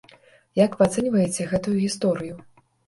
Як вы ацэньваеце гэтую гісторыю?